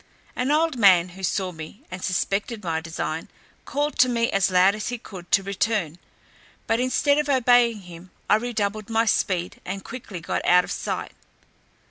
An old man, who saw me, and suspected my design, called to me as loud as he could to return; but instead of obeying him, I redoubled my speed, and quickly got out of sight.